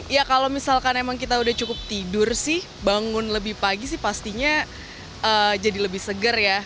ya kalau misalkan emang kita udah cukup tidur sih bangun lebih pagi sih pastinya jadi lebih segar ya